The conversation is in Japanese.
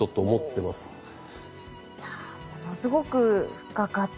いやものすごく深かったですね。